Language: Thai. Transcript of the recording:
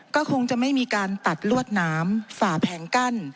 ก็คงจะไม่มีการตัดลวดหนามฝ่าแผงกั้น